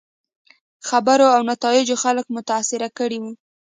خبرو او نتایجو خلک متاثره کړي وو.